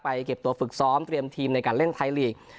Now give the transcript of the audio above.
เก็บตัวฝึกซ้อมเตรียมทีมในการเล่นไทยลีก